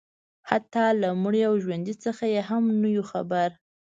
حتی له مړي او ژوندي څخه یې هم نه یو خبر